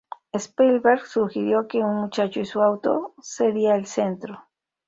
Spielberg sugirió que ""un muchacho y su auto"" sería el centro.